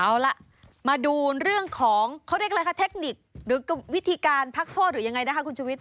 เอาล่ะมาดูเรื่องของเขาเรียกอะไรคะเทคนิคหรือวิธีการพักโทษหรือยังไงนะคะคุณชุวิต